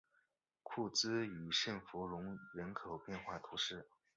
库兹和圣弗龙人口变化图示